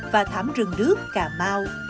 và thảm rừng nước cà mau